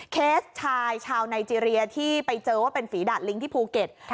เคสชายชาวไนเจรียที่ไปเจอว่าเป็นฝีดาดลิงที่ภูเก็ต